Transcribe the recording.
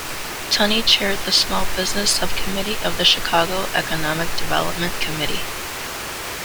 Tunney chaired the small business subcommittee of the Chicago Economic Development Committee.